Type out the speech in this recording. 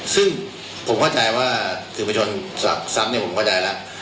ซึ่งผมเข้าใจว่าคือผู้ชนสักผมเข้าใจแล้ว